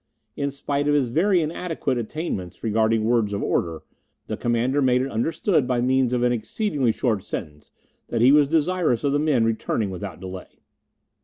In spite of his very inadequate attainments regarding words of order, the Commander made it understood by means of an exceedingly short sentence that he was desirous of the men returning without delay.